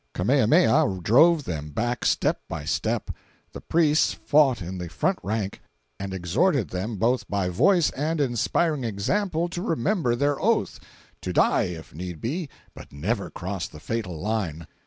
Kamehameha drove them back step by step; the priests fought in the front rank and exhorted them both by voice and inspiriting example to remember their oath—to die, if need be, but never cross the fatal line.